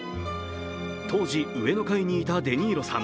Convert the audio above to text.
当時、上の階にいたデ・ニーロさん。